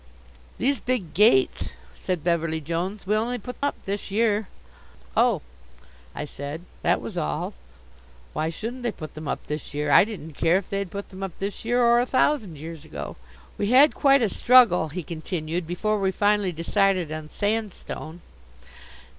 "These big gates," said Beverly Jones, "we only put up this year." "Oh," I said. That was all. Why shouldn't they put them up this year? I didn't care if they'd put them up this year or a thousand years ago. "We had quite a struggle," he continued, "before we finally decided on sandstone.